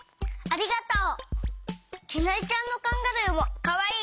ありがとう！